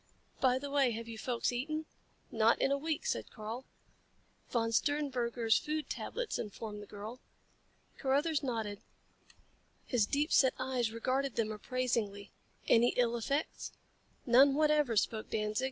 "By the way, have you folks eaten?" "Not in a week," said Karl. "Von Sternberger's food tablets," informed the girl. Carruthers nodded. His deep set eyes regarded them appraisingly. "Any ill effects?" "None whatever," spoke Danzig.